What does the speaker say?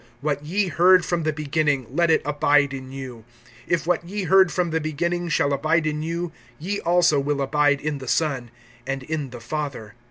(24)What ye heard from the beginning, let it abide in you. If what ye heard from the beginning shall abide in you, ye also will abide in the Son, and in the Father.